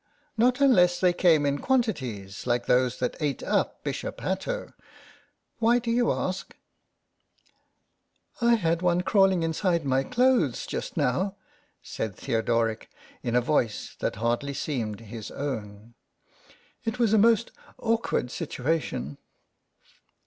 "Not unless they came in quantities, like those that ate up Bishop Hatto. Why do you ask ?"" I had one crawling inside my clothes just now," said Theodoric in a voice that hardly seemed his own. " It was a most awkward situation."